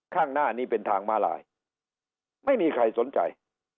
ข้างหน้านี้เป็นทางมาลายไม่มีใครสนใจ